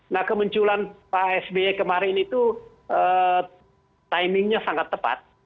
nah kemunculan pak sby kemarin itu timingnya sangat tepat